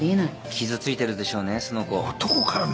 傷ついてるでしょうね